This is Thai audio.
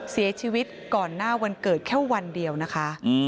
เสียชีวิตก่อนหน้าวันเกิดแค่วันเดียวนะคะ